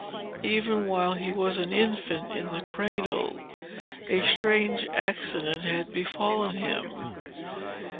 Even while he was an infant in the cradle a strange accident had befallen him.